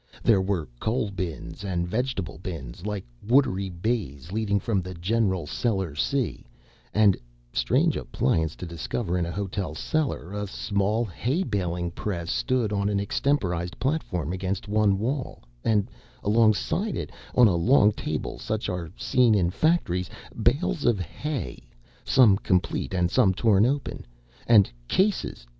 There were coal bins and vegetable bins, like watery bays leading from the general cellar sea, and strange appliance to discover in a hotel cellar a small hay baling press stood on an extemporized platform against one wall, and alongside it, on a long table, such as are seen in factories, bales of hay, some complete and some torn open and cases!